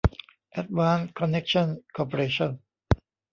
แอดวานซ์ คอนเนคชั่น คอร์ปอเรชั่น